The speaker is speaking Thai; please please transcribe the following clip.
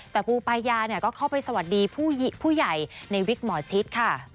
แต่ปูปายาก็เข้าไปสวัสดีผู้ใหญ่ในวิกหมอชิดค่ะ